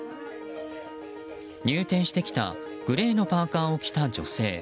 入店してきたグレーのパーカを着た女性。